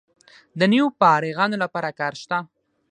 د نویو فارغانو لپاره کار شته؟